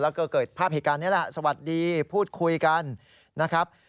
แล้วก็เกิดภาพเหตุการณ์นี้แหละสวัสดีพูดคุยกันนะครับ